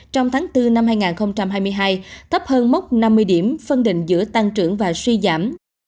trong tháng bốn năm hai nghìn hai mươi hai thấp hơn mốc năm mươi điểm phân định giữa tăng trưởng và suy giảm